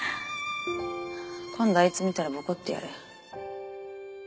今度あいつ見たらボコッてやる。